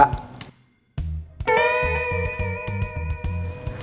kiki kamu udah siap